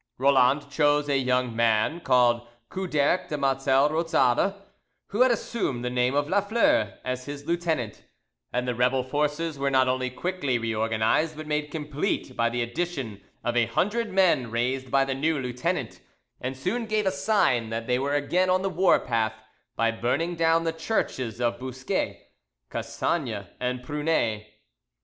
Roland chose a young man called Couderc de Mazel Rozade, who had assumed the name of Lafleur, as his lieutenant, and the rebel forces were not only quickly reorganised, but made complete by the addition of a hundred men raised by the new lieutenant, and soon gave a sign that they were again on the war path by burning down the churches of Bousquet, Cassagnas, and Prunet.